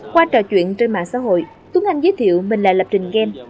qua trò chuyện trên mạng xã hội túng ngành giới thiệu mình là lập trình game